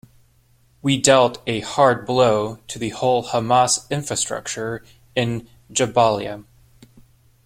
We dealt a hard blow to the whole Hamas infrastructure in Jabalia.